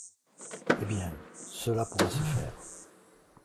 Eh bien, cela pourra se faire.